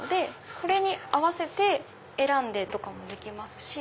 これに合わせて選んでとかもできますし。